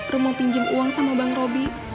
rum mau pinjem uang sama bang robby